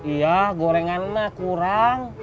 iya gorengan mah kurang